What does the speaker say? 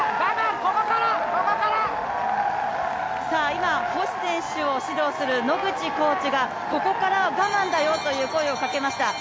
今、星選手を指導する野口コーチがここから我慢だよという声をかけました。